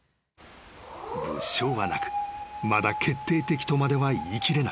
［物証はなくまだ決定的とまでは言い切れない］